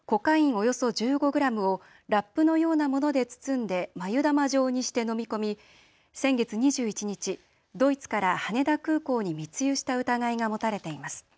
およそ１５グラムをラップのようなもので包んで繭玉状にして飲み込み、先月２１日、ドイツから羽田空港に密輸した疑いが持たれています。